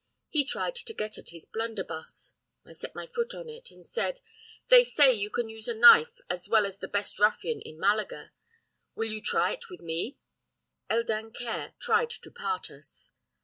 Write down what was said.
He tried to get at his blunderbuss. I set my foot on it, and said, 'They say you can use a knife as well as the best ruffian in Malaga; will you try it with me?' El Dancaire tried to part us.